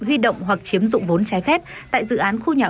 huy động hoặc chiếm dụng vốn trái phép tại dự án khu nhà